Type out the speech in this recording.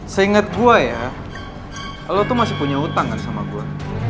seingat gue ya lo tuh masih punya hutang kan sama gue